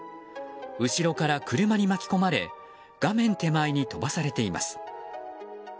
後ろから車に巻き込まれ画面手前に飛ばされています。